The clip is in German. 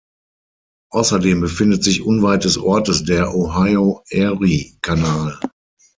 Außerdem befindet sich unweit des Ortes der Ohio-Erie-Kanal.